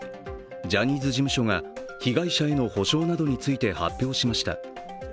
ジャニーズ事務所が被害者への補償などについて発表しました。